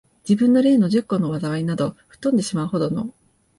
自分の例の十個の禍いなど、吹っ飛んでしまう程の、